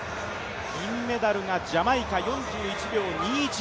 銀メダルがジャマイカ４１秒２１。